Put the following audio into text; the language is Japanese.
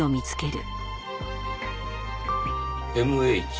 「Ｍ・Ｈ」